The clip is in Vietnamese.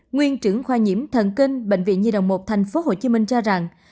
nguyên trưởng khoa nhiễm thần kinh bệnh viện nhi đồng một tp hcm cho rằng